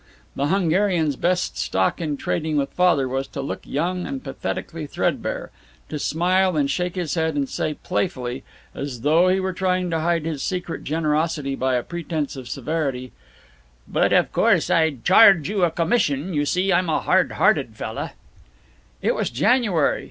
The Hungarian's best stock in trading with Father was to look young and pathetically threadbare, to smile and shake his head and say playfully, as though he were trying to hide his secret generosity by a pretense of severity, "But of course I'd charge you a commission you see I'm a hard hearted fella." It was January.